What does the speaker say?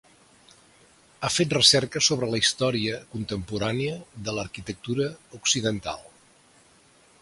Ha fet recerca sobre la història contemporània de l'arquitectura occidental.